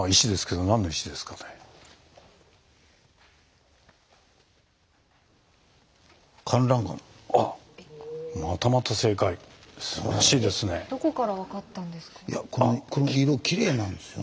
どこから分かったんですか？